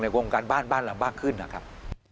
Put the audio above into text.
ในวงการบ้านหลังบ้างขึ้นนะครับ